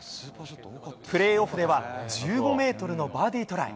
プレーオフでは、１５メートルのバーディートライ。